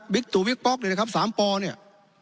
บิ๊กตู่บิ๊กป๊อกเลยนะครับ๓ปเนี่ย